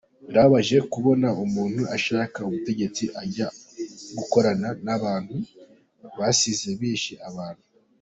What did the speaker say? Birababaje kubona umuntu ashaka ubutegetsi ajya gukorana n’abantu basize bishe abantu.